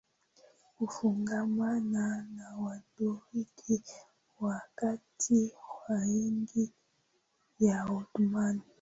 kufungamana na Waturuki wakati wa enzi ya Ottoman